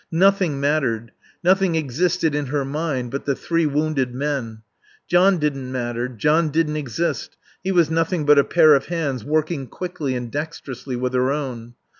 Nothing mattered, nothing existed in her mind but the three wounded men. John didn't matter. John didn't exist. He was nothing but a pair of hands working quickly and dexterously with her own....